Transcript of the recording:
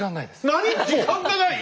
なに⁉時間がない！